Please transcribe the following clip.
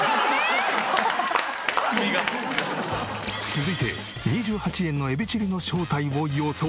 続いて２８円のエビチリの正体を予想。